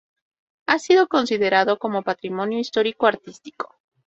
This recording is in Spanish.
Ha sido considerado como Patrimonio Histórico Artístico.